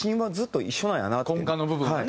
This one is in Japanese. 根幹の部分はね。